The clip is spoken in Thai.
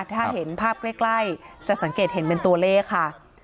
ถ้าเห็นภาพใกล้จะสังเกตเห็นเป็นตัวเลขค่ะ